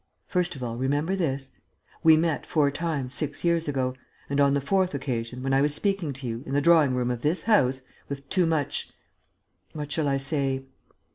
First of all, remember this: we met four times, six years ago.... And, on the fourth occasion, when I was speaking to you, in the drawing room of this house, with too much what shall I say?